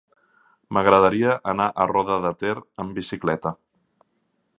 M'agradaria anar a Roda de Ter amb bicicleta.